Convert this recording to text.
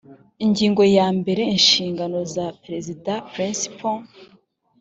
ingingo ya mbere inshingano zaperezida principal